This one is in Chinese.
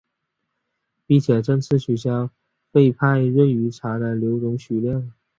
并且正式取消氟派瑞于茶的留容许量。